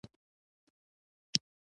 زه څنګه نقل وکم؟